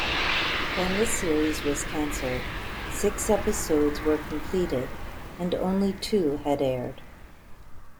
When the series was cancelled, six episodes were completed and only two had aired.